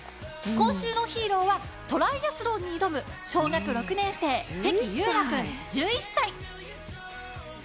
今週のヒーローはトライアスロンに挑む小学６年生、関優来君、１１歳。